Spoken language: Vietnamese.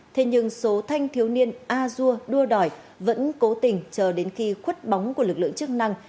thế nhưng số thanh thiếu niên a dua đua đòi vẫn cố tình chờ đến khi khuất bóng của lực lượng chức năng